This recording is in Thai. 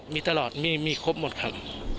มีตลอดมีครบหมดครับ